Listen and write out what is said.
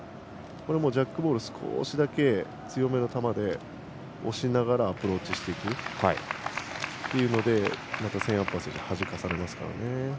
ジャックボールを少しだけ強めの球で押しながらアプローチしていくというのでセーンアンパー選手ははじかされますからね。